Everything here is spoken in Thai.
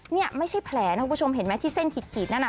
นี่ไม่ใช่แผลนะคุณผู้ชมเห็นไหมที่เส้นขีดนั่นน่ะ